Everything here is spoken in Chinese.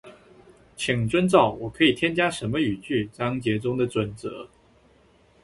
请遵照“我可以添加什么语句？”章节中的准则